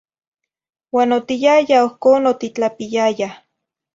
Uan otiyaya ohcón otitlapiyayah.